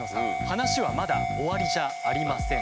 話はまだ終わりじゃありません。